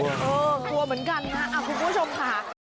กลัวเหมือนกันนะคุณผู้ชมค่ะ